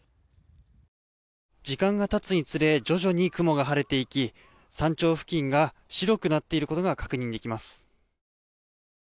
時間が経つにつれ徐々に雲が晴れていき山頂付近が白くなっていることが確認できます。